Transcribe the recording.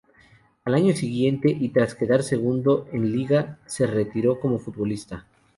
Al año siguiente, y tras quedar segundo en liga, se retiró como futbolista.